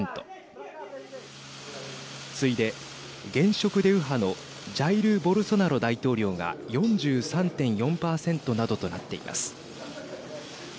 次いで、現職で右派のジャイル・ボルソナロ大統領が４３．４％などとなっています。